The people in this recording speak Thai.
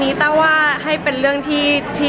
อะนี้แท้ว่าให้เป็นเรื่องที่